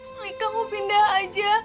mereka mau pindah aja